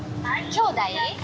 きょうだい？